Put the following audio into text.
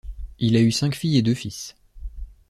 Il a eu cinq filles et deux fils.